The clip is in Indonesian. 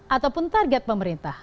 ataupun target pemerintah